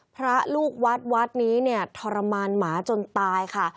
พระลูกวัดวัดนี้เนี่ยทรมานหมาจนตายค่ะ